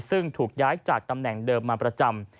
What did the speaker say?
ซึ่งถูกย้ายจากตำแหน่งเดิมมาประจำ